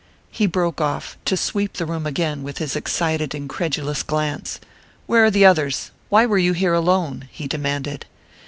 He broke off to sweep the room again with his excited incredulous glance. "Where are the others? Why were you here alone?" he demanded.